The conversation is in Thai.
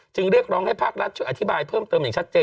เรียกร้องให้ภาครัฐช่วยอธิบายเพิ่มเติมอย่างชัดเจน